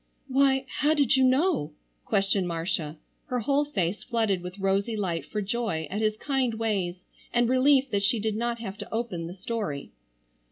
"Why, how did you know?" questioned Marcia, her whole face flooded with rosy light for joy at his kind ways and relief that she did not have to open the story.